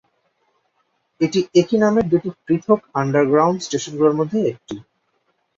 এটি একই নামের দুটি পৃথক আন্ডারগ্রাউন্ড স্টেশনগুলির মধ্যে একটি।